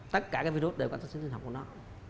tất cả các virus đều có đặc tính sinh học của nó